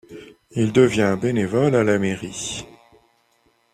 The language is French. Il devient bénévole à la mairie.